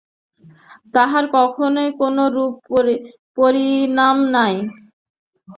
তাঁহার কখনই কোনরূপ পরিণাম নাই।